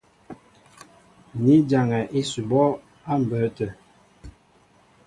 Ni jaŋɛ ísʉbɔ́ á mbə̌ tə̂.